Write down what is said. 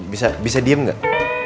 bisa bisa diem gak